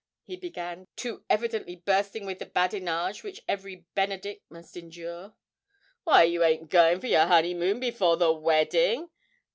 he began, too evidently bursting with the badinage which every Benedick must endure. 'Why, you ain't going for your honeymoon before the wedding?